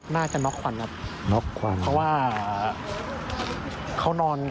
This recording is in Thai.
น่าจะน็อกควันครับน็อกควันเพราะว่าเขานอน